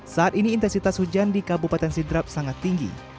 saat ini intensitas hujan di kabupaten sidrap sangat tinggi